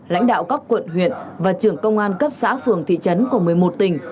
lãnh đạo các quận huyện và trưởng công an cấp xã phường thị trấn của một mươi một tỉnh